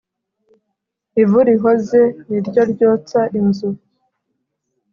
Ivu rihoze ni ryo ryotsa inzu.